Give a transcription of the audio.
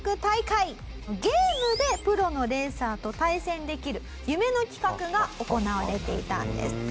ゲームでプロのレーサーと対戦できる夢の企画が行われていたんです。